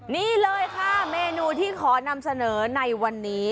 นี่เลยค่ะเมนูที่ขอนำเสนอในวันนี้